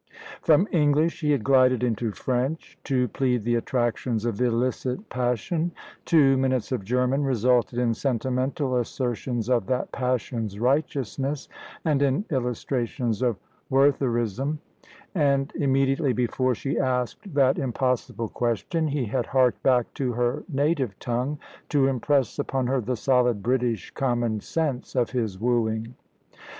From English he had glided into French, to plead the attractions of illicit passion: two minutes of German resulted in sentimental assertions of that passion's righteousness, and in illustrations of Wertherism; and, immediately before she asked that impossible question, he had harked back to her native tongue, to impress upon her the solid British common sense of his wooing.